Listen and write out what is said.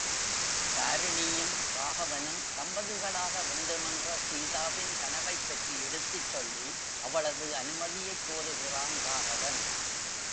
தாரிணியும் ராகவனும் தம்பதிகளாக வேண்டுமென்ற சீதாவின் கனவைப்பற்றி எடுத்துச்சொல்லி, அவளது அனுமதியைக் கோருகிறான் ராகவன்.